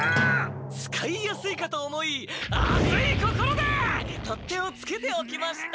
使いやすいかと思い熱い心で取っ手をつけておきました！